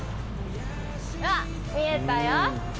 うわっ見えたよ。